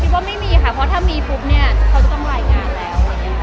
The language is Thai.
คิดว่าไม่มีค่ะเพราะว่าถ้ามีปุ๊บเนี้ยเขาจะต้องรายงานแล้วอย่างเงี้ยค่ะ